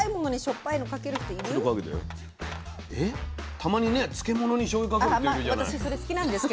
たまにね漬物にしょうゆかける人いるじゃない。